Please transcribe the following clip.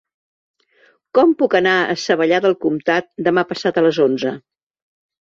Com puc anar a Savallà del Comtat demà passat a les onze?